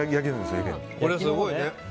これ、すごいね。